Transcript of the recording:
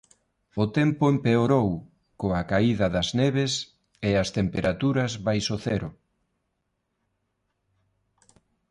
O tempo empeorou coa caída das neves e as temperaturas baixo cero.